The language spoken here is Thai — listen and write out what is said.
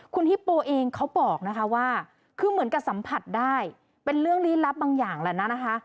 คุณฮิปโปเองเขาบอกนะคะว่าคือเหมือนกับสัมผัสได้เป็นเรื่องลี้ลับบางอย่างแหละนะนะคะ